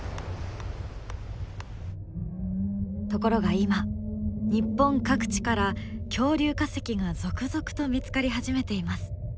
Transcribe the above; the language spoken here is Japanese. ところが今日本各地から恐竜化石が続々と見つかり始めています。